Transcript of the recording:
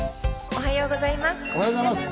おはようございます。